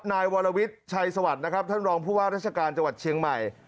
นายวรวิทย์ชัยสวัสดิ์นะครับท่านรองผู้ว่าราชการจังหวัดเชียงใหม่